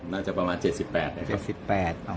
น่าจะประมาณ๗๘นะครับ